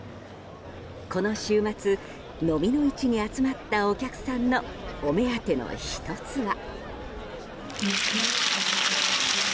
この週末、蚤の市に集まったお客さんのお目当ての１つは。